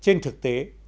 trong những người đàn ông